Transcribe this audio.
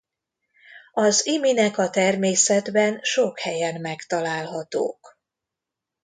Az iminek a természetben sok helyen megtalálhatók.